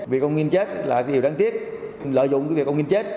vì ông nghinh chết là điều đáng tiếc lợi dụng việc ông nghinh chết